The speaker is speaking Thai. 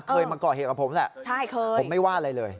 เคยมาก่อเหตุกับผมแหละผมไม่ว่าอะไรเลย